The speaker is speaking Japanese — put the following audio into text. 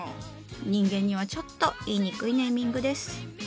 人間にはちょっと言いにくいネーミングです。